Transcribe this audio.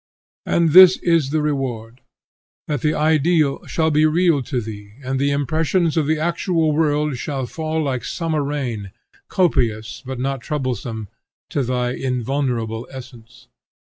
And this is the reward; that the ideal shall be real to thee, and the impressions of the actual world shall fall like summer rain, copious, but not troublesome, to thy invulnerable essence.